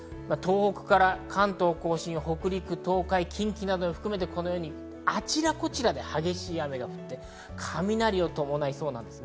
動かしていきますと、東北、関東甲信、北陸、東海、近畿などを含めてあちらこちらで激しい雨が降って、雷を伴いそうです。